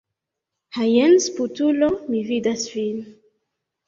Ha jen sputulo, mi vidas vin.